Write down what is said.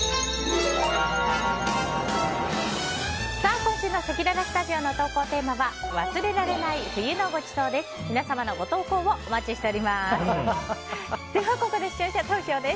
今週のせきららスタジオの投稿テーマは忘れられない冬のごちそうです。